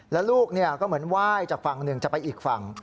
แล้วลูกก็เหมือนไหว้จากฝั่งหนึ่งจะไปอีกฝั่ง